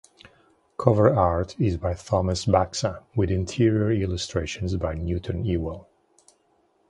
Cover art is by Thomas Baxa, with interior illustrations by Newton Ewell.